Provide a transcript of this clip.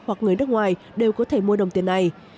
hoặc người nước ngoài đều có thể mua đồng tiền này